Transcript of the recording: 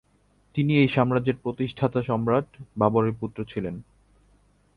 তিনি এই সাম্রাজ্যের প্রতিষ্ঠাতা সম্রাট বাবরের পুত্র ছিলেন।